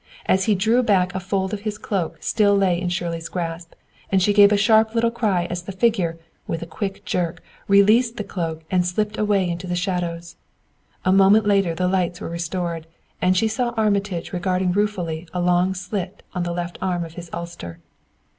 As he drew back a fold of his cloak still lay in Shirley's grasp, and she gave a sharp little cry as the figure, with a quick jerk, released the cloak and slipped away into the shadows. A moment later the lights were restored, and she saw Armitage regarding ruefully a long slit in the left arm of his ulster.